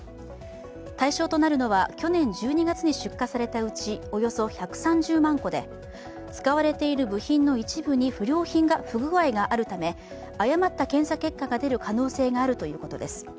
対象となるのは去年１２月に出荷されたうち、およそ１３０万個で使われている部品の一部に不具合があるため誤った検査結果が出る可能性があるということです。